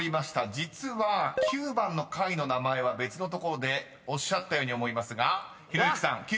［実は９番の貝の名前は別のところでおっしゃったように思いますがひろゆきさん９番は？］